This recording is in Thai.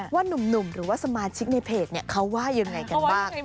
นุ่มหรือว่าสมาชิกในเพจเขาว่ายังไงกันบ้าง